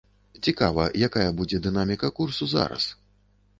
Цікава, якая будзе дынаміка курсу зараз.